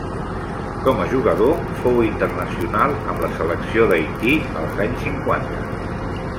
Com a jugador fou internacional amb la selecció d'Haití als anys cinquanta.